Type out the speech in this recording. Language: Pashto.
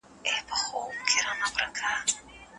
قصاص د انساني کرامت د ساتلو وسیله ده.